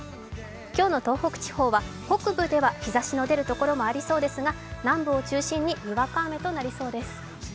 今日の東北地方は、北部では日ざしの出る所もありそうですが南部を中心ににわか雨となりそうです。